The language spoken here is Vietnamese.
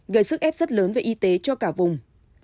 gây sức ép rất lớn về y tế cho cả vùng